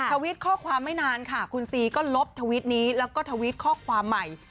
ทวิตข้อความไม่นานค่ะคุณซีก็ลบทวิตนี้แล้วก็ทวิตข้อความใหม่